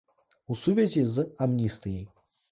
У сувязі з амністыяй.